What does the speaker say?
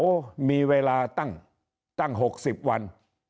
โอ้โหมีเวลาตั้ง๖๐วัน